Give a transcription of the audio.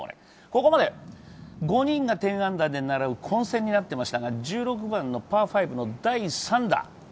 ここまで５人が１０アンダーで並ぶ混戦になっていましたが、１６番のパー５の第３打。